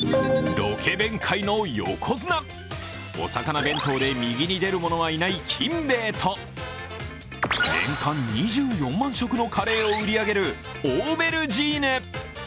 ロケ弁界の横綱、お魚弁当で右に出るものはいない金兵衛と、年間２４万食のカレーを売り上げるオーベルジーヌ。